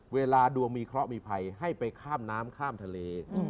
เวลาดวงมีเคราะห์มีภัยให้ไปข้ามน้ำข้ามทะเล